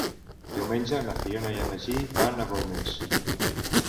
Diumenge na Fiona i en Magí van a Golmés.